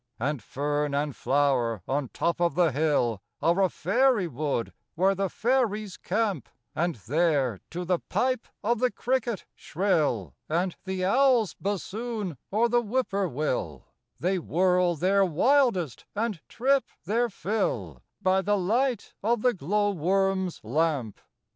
II And fern and flower on top of the hill Are a fairy wood where the fairies camp; And there, to the pipe of the cricket shrill, And the owl's bassoon or the whippoorwill, They whirl their wildest and trip their fill By the light of the glow worm's lamp.